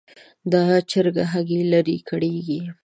دا چرګه هګۍ لري؛ کړېږي.